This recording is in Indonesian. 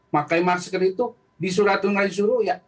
pakai masker itu disuruh ya